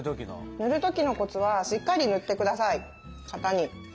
塗る時のコツはしっかり塗ってください型に。